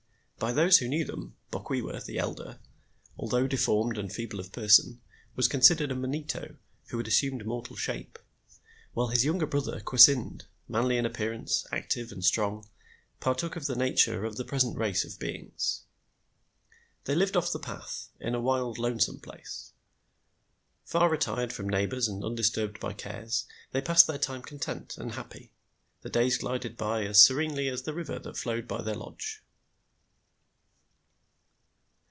By those who knew them, Bokwewa, the elder, although deformed and feeble of person, was considered a manito who had assumed mortal shape; while his younger brother, Kwasynd, manly in appearance, active, and strong, partook of the nature of the present race of beings. They lived off the path, in a wild, lonesome place. Far retired from neighbors and undisturbed by cares,' they passed their time content and happy. The days glided by as serenely as the river that flowed by their lodge.